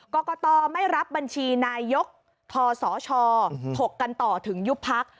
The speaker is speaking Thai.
กรกตไม่รับบัญชีนายกทศชถกกันต่อถึงยุบพัก